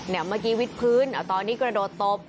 เมื่อกี้วิทพื้นตอนนี้กระโดดตบ